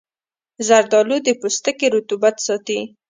زردآلو د پوستکي رطوبت ساتي.